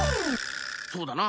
そうだな！